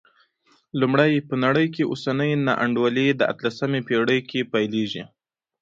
لومړی، په نړۍ کې اوسنۍ نا انډولي د اتلسمې پېړۍ کې پیلېږي.